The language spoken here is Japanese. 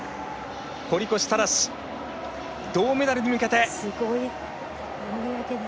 堀越信司、銅メダルに向けて。